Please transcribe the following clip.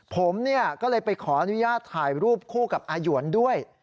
ผมก็เลยไปขออนุญาตถ่ายรูปคู่กับอาหยวนด้วย